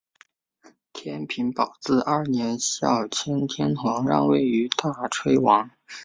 天平宝字二年孝谦天皇让位于大炊王。